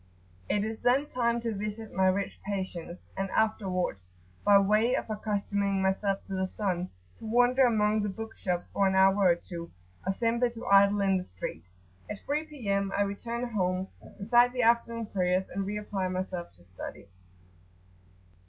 It is then time to visit my rich patients, and afterwards, by way of accustoming myself to the sun, to wander among the bookshops for an hour or two, or simply to idle in the street. At 3 P.M. I return home, recite the afternoon prayers, and re apply myself to study.